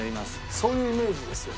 そういうイメージですよね。